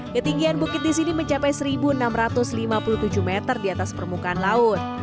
ketinggian bukit di sini mencapai seribu enam ratus lima puluh tujuh meter di atas permukaan laut